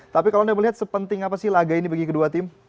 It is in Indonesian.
tapi kalau anda melihat sepenting apa sih laga ini bagi kedua tim